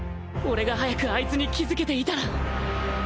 俺が早くあいつに気付けていたら